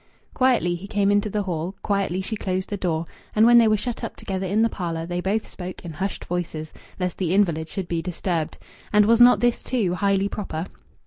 Quietly he came into the hall, quietly she closed the door, and when they were shut up together in the parlour they both spoke in hushed voices, lest the invalid should be disturbed. And was not this, too, highly proper?